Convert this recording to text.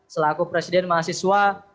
selaku presiden mahasiswa